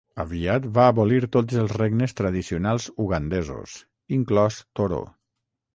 Aviat va abolir tots els regnes tradicionals ugandesos, inclòs Toro.